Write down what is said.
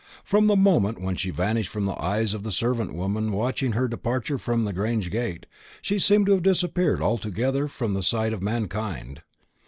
From the moment when she vanished from the eyes of the servant woman watching her departure from the Grange gate, she seemed to have disappeared altogether from the sight of mankind.